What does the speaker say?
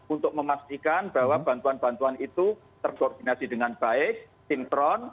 untuk memastikan bahwa bantuan bantuan itu terkoordinasi dengan baik sinkron